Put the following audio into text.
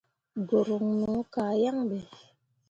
Guruŋ no kah yaŋ ɓe.